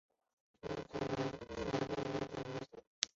男子女子女子